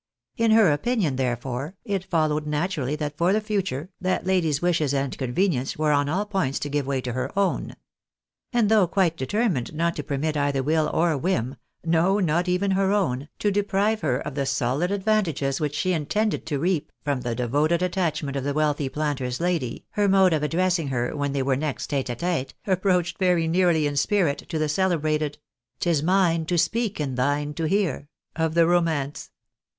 In her opinion, therefore, it followed naturally that for the future, that lady's wishes and convenience were on all points to give way to her own; and though quite determined not to permit either will or whim — no, not even her own, to deprive her of the solid advantages which she intended to reap from the devoted attachment of the wealthy planter's lady, her mode of addressing her wlien they were nest tete a tete, approached very nearly in spirit to the celebrated — 'Tis mine to speak, and thine to hear — of the romance.